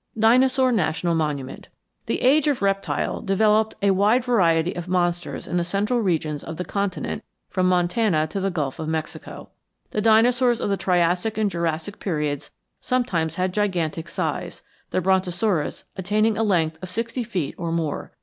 DINOSAUR NATIONAL MONUMENT The Age of Reptile developed a wide variety of monsters in the central regions of the continent from Montana to the Gulf of Mexico. The dinosaurs of the Triassic and Jurassic periods sometimes had gigantic size, the Brontosaurus attaining a length of sixty feet or more.